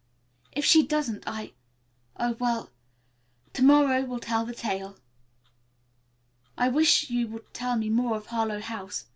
"If she doesn't, I oh, well, to morrow will tell the tale. I wish you would tell me more of Harlowe House.